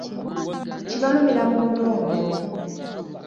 Kibalumira munda omwo